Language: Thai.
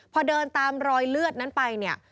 พอเดินตามรอยเลือดนั้นไปเนี่ย